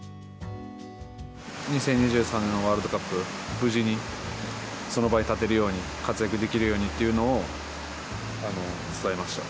２０２３年のワールドカップ、無事に、その場に立てるように、活躍できるようにというのを伝えました。